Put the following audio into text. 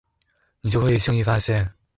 你就可以輕易發現